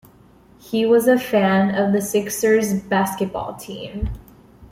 He was a fan of the Sixers basketball team.